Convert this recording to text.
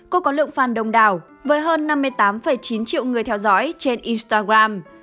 cô có lượng fan đông đảo với hơn năm mươi tám chín triệu người theo dõi trên instagram